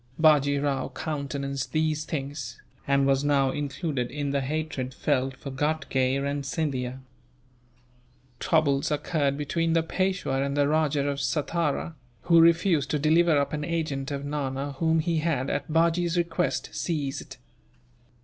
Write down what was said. Bajee Rao countenanced these things, and was now included in the hatred felt for Ghatgay and Scindia. Troubles occurred between the Peishwa and the Rajah of Satara, who refused to deliver up an agent of Nana whom he had, at Bajee's request, seized.